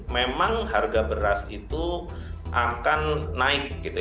memang harga beras itu akan naik gitu